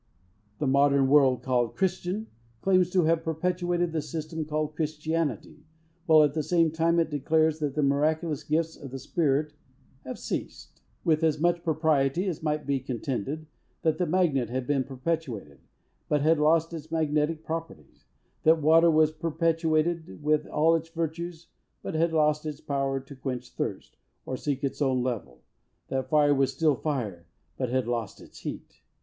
The modern world, called "Christian" claims to have perpetuated the system called "Christianity," while, at the same time, it declares, that the miraculous gifts of the Spirit have ceased. With as much propriety it might be contended, that the magnet had been perpetuated, but had lost its magnetic properties; that water was perpetuated with all its virtues, but had lost its power to quench thirst, or seek its own level; that fire was still fire, but had lost its heat.